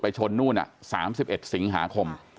ชนนู่น๓๑สิงหาคม